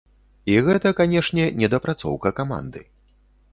І гэта, канешне, недапрацоўка каманды.